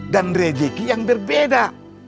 dan rezeki yang berbeda